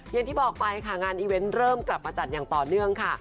อย่างที่บอกไปค่ะงานอีเวนต์เริ่มกลับมาจัดอย่างต่อเนื่องค่ะ